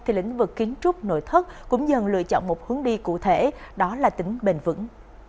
thì lĩnh vực kiến trúc nội thất cũng dần lựa chọn một hướng đi cụ thể đó là tính bền vững